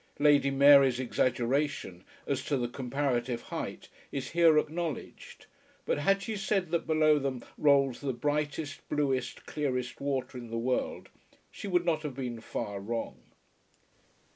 Lady Mary's exaggeration as to the comparative height is here acknowledged, but had she said that below them rolls the brightest bluest clearest water in the world she would not have been far wrong.